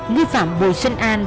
nguyên phạm bùi xuân an